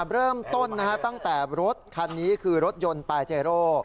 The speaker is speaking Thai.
เริ่มต้นตั้งแต่รถคันนี้คือรถยนต์ปาเจโร่